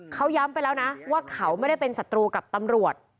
เขาย้ำไปแล้วนะว่าเขาไม่ได้เป็นศัตรูกับตำรวจ